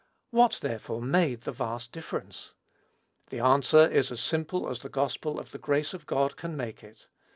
What, therefore, made the vast difference? The answer is as simple as the gospel of the grace of God can make it.